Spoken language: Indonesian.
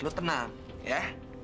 lu tenang ya